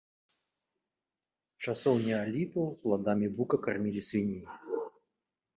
З часоў неаліту пладамі бука кармілі свіней.